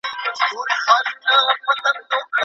سرمايه داري د فقيرانو ژوند خرابوي.